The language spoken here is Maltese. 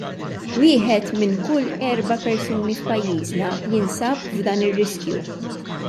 Wieħed minn kull erba' persuni f'pajjiżna jinsab f'dan ir-riskju!